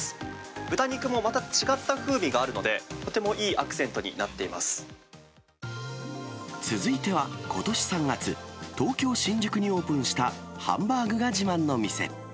豚肉もまた違った風味があるので、とてもいいアクセントになってい続いては、ことし３月、東京・新宿にオープンしたハンバーグが自慢の店。